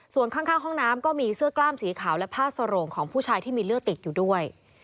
ส่วนข้างห้องน้ำก็มีเสื้อกล้ามสีขาวและผ้าสโรงของผู้ชายที่มีเลือดติดอยู่ด้วย